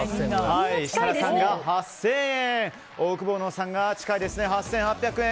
設楽さんが８０００円オオクボーノさんが８８００円。